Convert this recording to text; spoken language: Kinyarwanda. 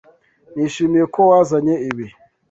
Nishimiye ko wazanye ibi.